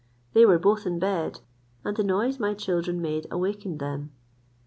They were both in bed, and the noise my children made awakened them.